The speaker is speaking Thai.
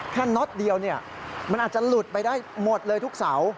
น็อตเดียวมันอาจจะหลุดไปได้หมดเลยทุกเสา